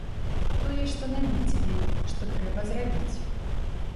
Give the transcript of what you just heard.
Тое, што намецілі, што трэба зрабіць.